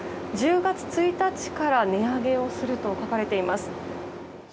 １０月１日から値上げをすると書かれています。